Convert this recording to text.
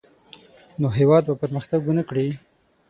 نو هېواد به پرمختګ ونه کړي.